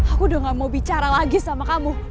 aku udah gak mau bicara lagi sama kamu